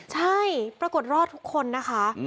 ใช่ปรากฏรอดทุกคนนะคะ